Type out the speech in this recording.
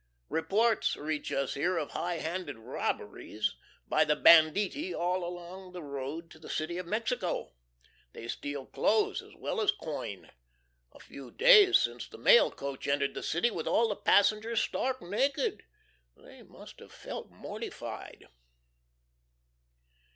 Reports reach us here of high handed robberies by the banditti all along the road to the City of Mexico. They steal clothes as well as coin. A few days since the mail coach entered the city with all the passengers stark naked! They must have felt mortified.